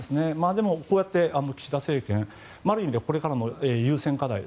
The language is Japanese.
でも、岸田政権ある意味ではこれからの優先課題